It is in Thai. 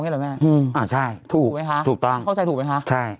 แบบนี้แหละ่ะถูกค่ะเข้าใจถูกไหมคะพี่ค่ะถูกอ่าใช่